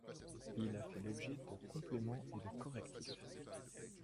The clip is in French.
Il a fait l'objet de compléments et de correctifs.